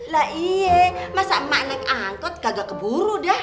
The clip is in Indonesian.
lah iya masa emak anak angkot kagak keburu dah